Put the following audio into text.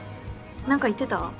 何か言ってた？